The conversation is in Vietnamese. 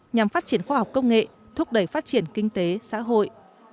nhằm phát triển khoa học công nghệ thúc đẩy phát triển kinh tế xã hội